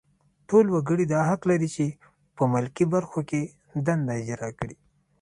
ټول وګړي دا حق لري چې په ملکي برخو کې دنده اجرا کړي.